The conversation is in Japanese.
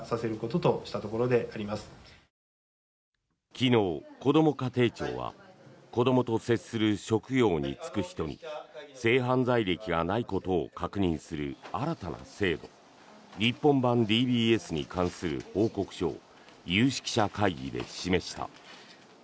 昨日、こども家庭庁は子どもと接する職業に就く人に性犯罪歴がないことを確認する新たな制度日本版ＤＢＳに関する報告書を有識者会議で示した。